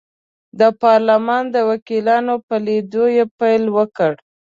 د پارلمان د وکیلانو په لیدلو پیل وکړ.